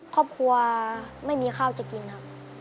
ครอบครัวไม่มีข้าวจะกินครับ